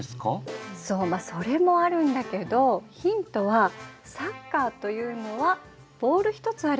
そうそれもあるんだけどヒントはサッカーというのはボール一つあればできるよね？